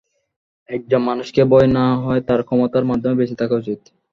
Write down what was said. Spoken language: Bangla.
একজন মানুষকে ভয় না-হয় তার ক্ষমতার মাধ্যমে বেঁচে থাকা উচিৎ।